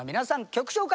曲紹介